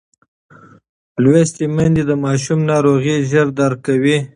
لوستې میندې د ماشوم ناروغۍ ژر درک کوي.